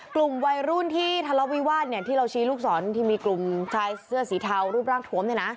กลุ่มวัยรุ่นที่ทะเลาะวิวาสที่เราชี้ลูกศรที่มีกลุ่มชายเสื้อสีเทารูปร่างถวมเนี่ยนะ